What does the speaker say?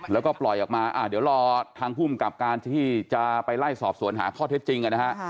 แล้วก็ปล่อยออกมาเดี๋ยวรอทางภูมิกับการที่จะไปไล่สอบสวนหาข้อเท็จจริงนะฮะ